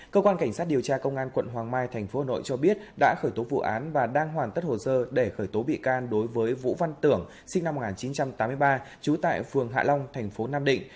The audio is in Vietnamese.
cơ quan cảnh sát điều tra công an quận hoàng mai tp hà nội cho biết đã khởi tố vụ án và đang hoàn tất hồ sơ để khởi tố bị can đối với vũ văn tưởng sinh năm một nghìn chín trăm tám mươi ba trú tại phường hạ long thành phố nam định